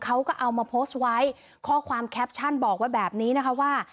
เขาก็เอามาโพสต์ไว้ข้อความแคปชั่นบอกไว้แบบนี้นะคะว่า